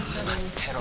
てろ